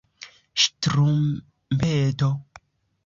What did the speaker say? ŝtrumpeto